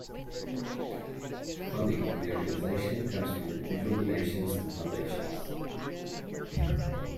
Funding for the organization comes from individual donations and foundations.